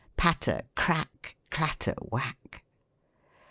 Patter crack ! Clatter whack